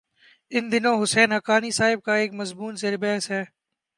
ان دنوں حسین حقانی صاحب کا ایک مضمون زیر بحث ہے۔